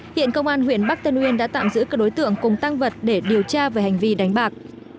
hiện công an huyện bắc tân uyên đã tạm giữ các đối tượng cùng tăng vật để điều tra về hành vi đánh bạc